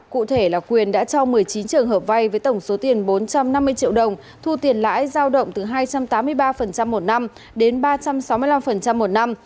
cụ thể là quyền đã cho một mươi chín trường hợp vay với tổng số tiền bốn trăm năm mươi triệu đồng thu tiền lãi giao động từ hai trăm tám mươi ba một năm đến ba trăm sáu mươi năm một năm